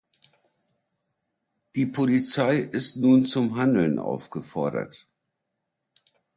Die Polizei ist nun zum Handeln aufgefordert.